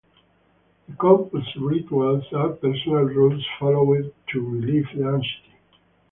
The compulsive rituals are personal rules followed to relieve the anxiety.